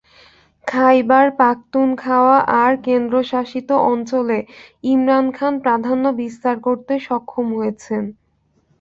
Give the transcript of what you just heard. খাইবার পাখতুনখাওয়া আর কেন্দ্রশাসিত অঞ্চলে ইমরান খান প্রাধান্য বিস্তার করতে সক্ষম হয়েছেন।